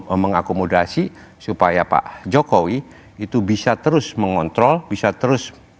untuk mengakomodasi supaya pak jokowi itu bisa terus mengontrol bisa terus